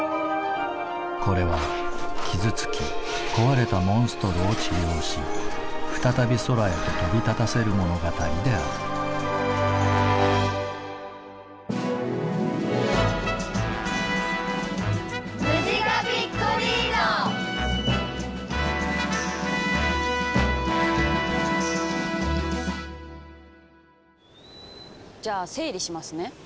これは傷つき壊れたモンストロを治療し再び空へと飛び立たせる物語であるじゃあ整理しますね。